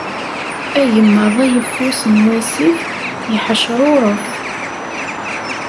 Agemmaḍ ayeffus n wasif yeḥḥecruref.